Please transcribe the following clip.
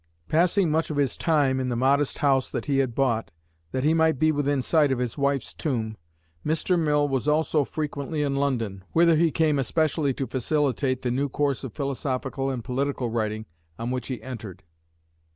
Passing much of his time in the modest house that he had bought, that he might be within sight of his wife's tomb, Mr. Mill was also frequently in London, whither he came especially to facilitate the new course of philosophical and political writing on which he entered.